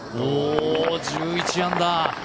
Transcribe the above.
１１アンダー。